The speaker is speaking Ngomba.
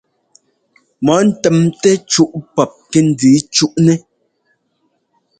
Mɔ ntɛmtɛ́ cúʼ pɔp kɛ́ndíi cúʼnɛ́.